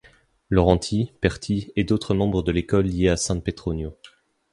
Laurenti, Perti, et d'autres membres de l’école liée à San Petronio.